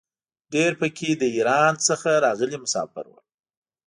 ډېر په کې له ایران نه راغلي مساپر وو.